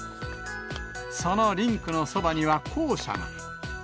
そのリンクのそばには、校舎が。